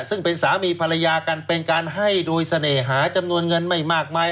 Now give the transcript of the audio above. ซึ่งเป็นสามีภรรยากันเป็นการให้โดยเสน่หาจำนวนเงินไม่มากมาย